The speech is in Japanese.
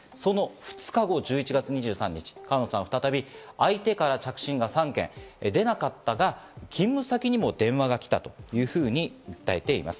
その２日後、１１月２３日、川野さんは再び相手から着信が３件、出なかったが勤務先にも電話が来たというふうに訴えています。